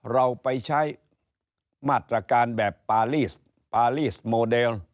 เราไปใช้มาตรการแบบปารีสปารีสโมเดล